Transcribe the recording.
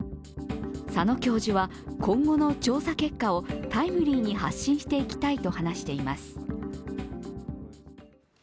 佐野教授は、今後の調査結果をタイムリーに発信していきたいと話しています。